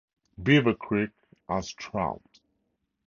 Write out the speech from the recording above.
Beaver Creek has trout.